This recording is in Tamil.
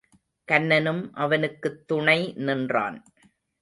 கன்னனும் அவனுக்குத் துணை நின்றான்.